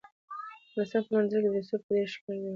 د افغانستان په منظره کې رسوب په ډېر ښکاره ډول دي.